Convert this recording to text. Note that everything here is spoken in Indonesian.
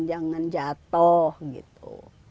jangan jatoh gitu